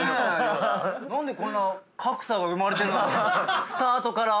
なんでこんな格差が生まれてるのか。